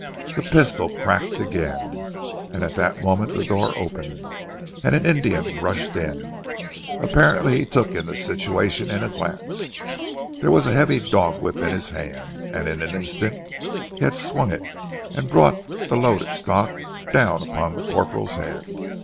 The pistol cracked again, and at that moment the door opened, and an Indian rushed in. Apparently, he took in the situation in a glance. There was a heavy dog whip in his hand, and in an instant he had swung it, and brought the loaded stock down on the corporal's head.